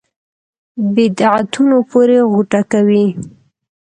بدعتونو پورې غوټه کوي.